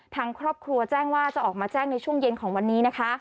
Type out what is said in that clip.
ทางครอบครัวแจ้งว่าจะออกมาแจ้งในช่วงเย็นของวันนี้นะคะ